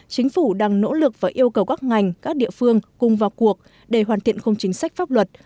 chính phủ đang nỗ lực và yêu cầu các ngành các địa phương cùng vào cuộc để hoàn thiện khung chính sách pháp luật